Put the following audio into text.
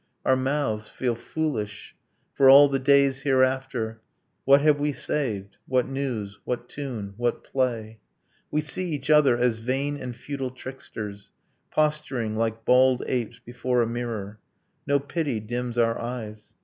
Our mouths feel foolish ... For all the days hereafter What have we saved what news, what tune, what play? 'We see each other as vain and futile tricksters, Posturing like bald apes before a mirror; No pity dims our eyes